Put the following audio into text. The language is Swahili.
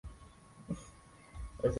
na ukiangalia jumuiya ya nchi za